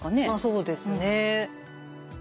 そうですね。